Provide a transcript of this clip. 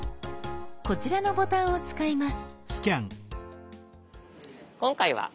こちらのボタンを使います。